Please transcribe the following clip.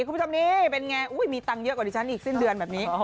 คุณผู้ชมนี่เป็นไงมีตังค์เยอะกว่าดิฉันอีกสิ้นเดือนแบบนี้